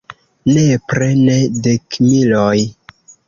Nepre ne dekmiloj.